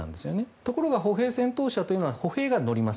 ところが歩兵戦闘車というのは歩兵が乗ります。